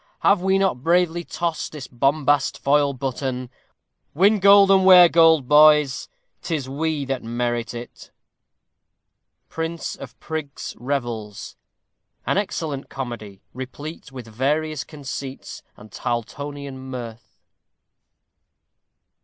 Have we not bravely tossed this bombast foil button? Win gold and wear gold, boys, 'tis we that merit it. Prince of Prigs' Revels. _An excellent Comedy, replete with various conceits and Tarltonian mirth.